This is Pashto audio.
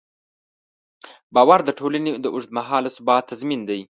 باور د ټولنې د اوږدمهاله ثبات تضمین دی.